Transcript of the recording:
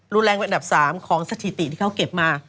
รุนแรงเป็นอันดับ๓ของสถิติที่เขาเก็บมา